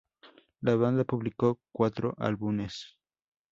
La banda publicó cuatro álbumes.